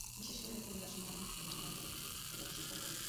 বিশেষ করে অভিবাসী নারী এবং বালিকাদের ক্ষেত্রে এটা বেশি করে প্রযোজ্য।